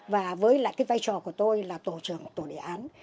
và với lại cái vai trò của tôi là tổ trưởng tổ đề án